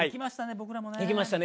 僕らもね。